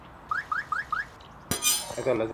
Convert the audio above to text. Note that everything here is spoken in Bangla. তবে দিনশেষে ও কি বেছে নেয় সেটাই হচ্ছে আসল ব্যাপার।